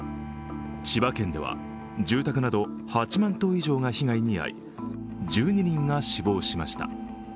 千葉県では住宅など８万棟以上が被害に遭い１２人が死亡しました。